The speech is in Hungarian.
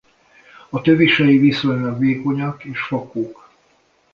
A tövisei viszonylag vékonyak és fakók.